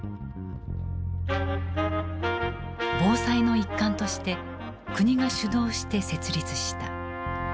防災の一環として国が主導して設立した。